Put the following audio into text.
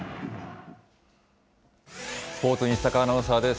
スポーツ、西阪アナウンサーです。